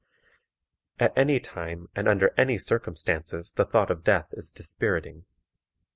At any time and under any circumstances the thought of death is dispiriting.